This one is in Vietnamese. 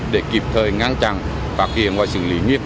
để kịp thời ngang trăng và khiến gọi xử lý nghiêm